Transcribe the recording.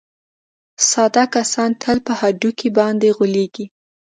ساده کسان تل په هډوکي باندې غولېږي.